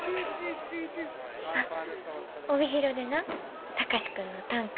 あっ帯広でな貴司君の短歌